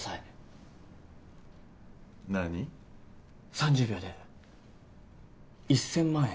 ３０秒で１，０００万円